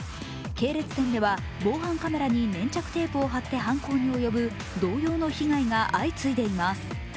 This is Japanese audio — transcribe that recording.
系列店では防犯カメラに粘着テープを貼って犯行に及ぶ同様の被害が相次いでいます。